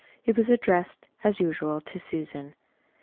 It was addressed as usual to Susan.